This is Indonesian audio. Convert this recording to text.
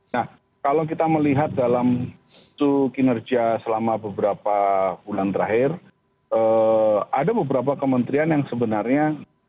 nah kalau kita melihat dalam suk kinerja selama beberapa bulan terakhir ada beberapa kementerian yang sebenarnya